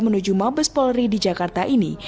menuju mabespolri di jakarta ini